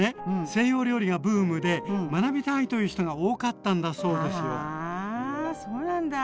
西洋料理がブームで学びたいという人が多かったんだそうですよ。はあそうなんだ。